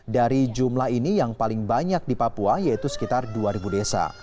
dari jumlah ini yang paling banyak di papua yaitu sekitar dua desa